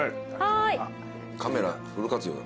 カメラフル活用。